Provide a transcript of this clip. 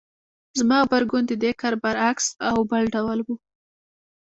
زما غبرګون د دې کار برعکس او بل ډول و.